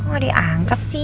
kok gak diangkat sih